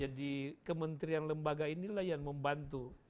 jadi kementerian lembaga inilah yang membantu